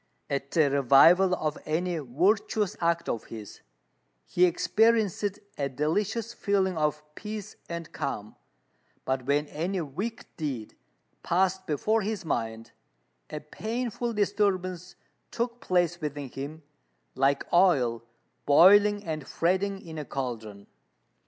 At the revival of any virtuous act of his, he experienced a delicious feeling of peace and calm; but when any wicked deed passed before his mind, a painful disturbance took place within him, like oil boiling and fretting in a cauldron.